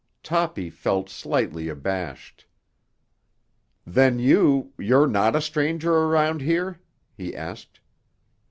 Toppy felt slightly abashed. "Then you—you're not a stranger around here?" he asked.